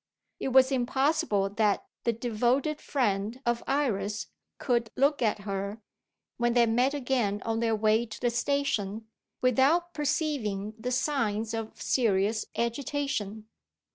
It was impossible that the devoted friend of Iris could look at her, when they met again on their way to the station, without perceiving the signs of serious agitation.